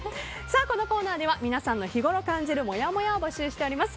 このコーナーでは皆さんの日ごろ感じるもやもやを募集しております。